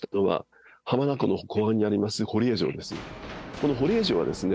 この堀江城はですね